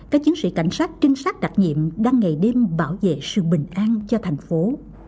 các chiến sĩ cảnh sát trinh sát đặc nhiệm đang ngày đêm bảo vệ sự bình an cho thành phố